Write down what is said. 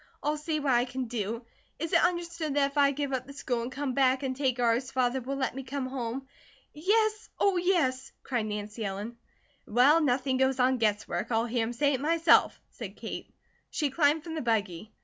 "I'll see what I can do. Is it understood that if I give up the school and come back and take ours, Father will let me come home?" "Yes, oh, yes!" cried Nancy Ellen. "Well, nothing goes on guess work. I'll hear him say it, myself," said Kate. She climbed from the buggy.